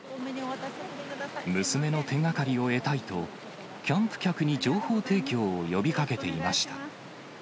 娘の手がかりを得たいと、キャンプ客に情報提供を呼びかけていました。